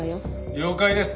了解です。